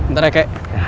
ntar deh ke